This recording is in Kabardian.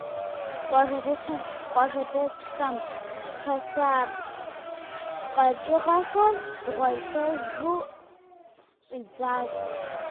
Къуажэдэсхэм хаса къэкӏыгъэхэр гъуэлэжу щӏидзат.